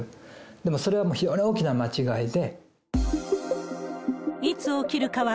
でも、それは非常に大きな間違いで。